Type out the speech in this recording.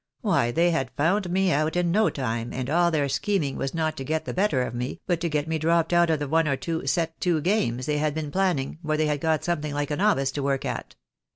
Why, they had found me out in no time, and all their scheming was not to get the better of me, but to get me dropped out of one or two set to games they had been planning, where they had got something like a novice to work at.